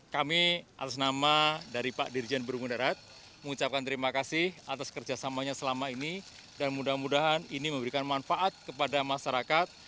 kami atas nama dari pak dirjen berungun darat mengucapkan terima kasih atas kerjasamanya selama ini dan mudah mudahan ini memberikan manfaat kepada masyarakat